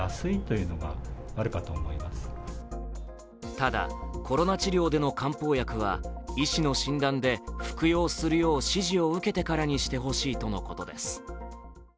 ただ、コロナ治療での漢方薬は医師の診断で服用するよう指示を受けてからにしてほしいということです。